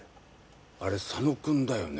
あれ佐野くんだよね？